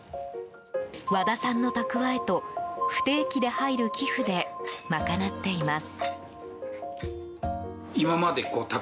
和田さんの蓄えと不定期で入る寄付で賄っています。